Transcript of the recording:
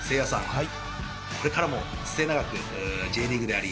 はい。